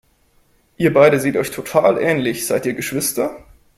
Ihr beide seht euch total ähnlich, seid ihr Geschwister?